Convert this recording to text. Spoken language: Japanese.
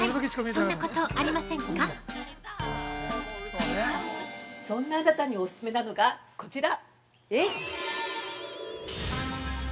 ◆そんなあなたにお勧めなのがこちら！